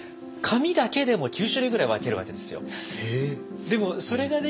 紙だけでも９種類ぐらい分けるわけですよ。